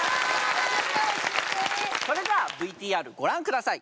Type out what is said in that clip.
それではＶＴＲご覧下さい。